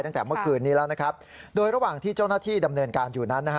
ตั้งแต่เมื่อคืนนี้แล้วนะครับโดยระหว่างที่เจ้าหน้าที่ดำเนินการอยู่นั้นนะฮะ